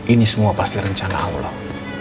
ini semua pasti rencana allah